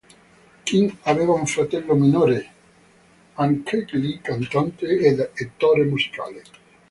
Kim aveva un fratello minore, anch'egli cantante ed attore musicale.